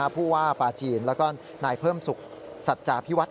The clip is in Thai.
ผู้ว่าปลาจีนแล้วก็นายเพิ่มสุขสัจจาพิวัฒ